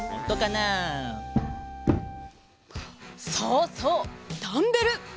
そうそうダンベル！